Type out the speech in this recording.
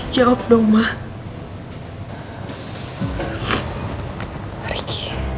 jawab dong mak